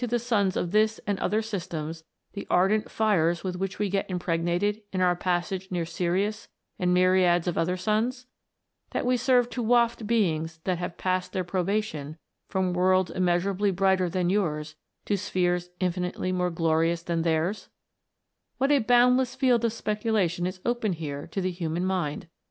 that we serve to cany to the suns of this and other systems the ardent fires with which we get impregnated in our passage near Sirius and myriads of other suns 1 that we serve to waft beings that have passed their probation, from worlds immeasurably brighter than yours, to spheres infi nitely more glorious than theirs 1 What a bound less field of speculation is open here to the human mind